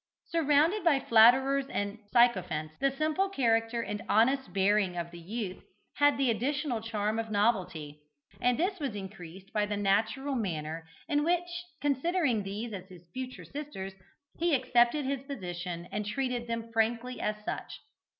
Surrounded by flatterers and sycophants, the simple character and honest bearing of the youth had the additional charm of novelty, and this was increased by the natural manner in which, considering these as his future sisters, he accepted his position and treated them frankly as such.